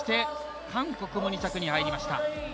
韓国も２着に入りました。